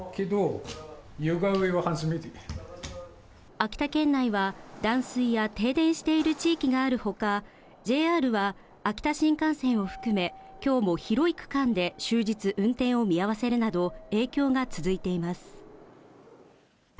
秋田県内は断水や停電している地域がある他、ＪＲは秋田新幹線を含め、きょうも広い区間で終日、運転を見合わせるなど、影響が続いています。